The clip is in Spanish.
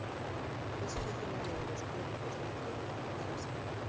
Es originaria de los trópicos de África y Asia.